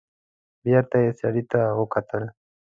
بېرته يې سړي ته وکتل.